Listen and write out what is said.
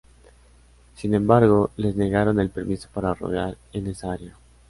Sin embargo, les negaron el permiso para rodar en esa área.